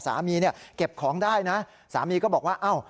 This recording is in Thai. สามีเนี่ยเก็บของได้นะสามีก็บอกว่าอ้าว